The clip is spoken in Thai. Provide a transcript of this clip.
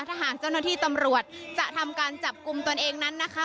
ถ้าหากเจ้าหน้าที่ตำรวจจะทำการจับกลุ่มตนเองนั้นนะคะ